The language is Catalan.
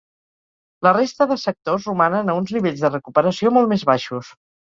La resta de sectors romanen a uns nivells de recuperació molt més baixos.